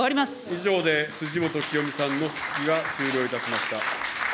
以上で辻元清美さんの質疑が終了いたしました。